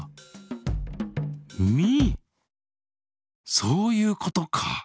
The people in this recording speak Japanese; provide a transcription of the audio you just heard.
そういうことか！